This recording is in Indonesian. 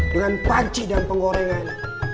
dengan panci dan penggorengan